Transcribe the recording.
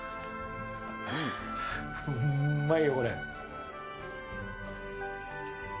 うんまいよ、これ。